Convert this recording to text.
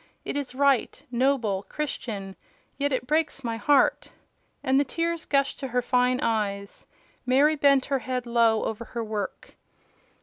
It is right, noble, Christian: yet it breaks my heart!" And the tears gushed to her fine eyes. Mary bent her head low over her work.